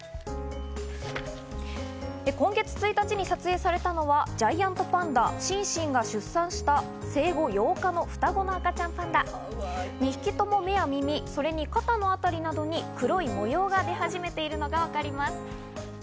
今月１日に撮影されたのはジャイアントパンダ、シンシンが出産した生後８日の双子の赤ちゃんパンダ、２匹とも目や耳それに肩のあたりなどに黒い模様が出始めているのがわかります。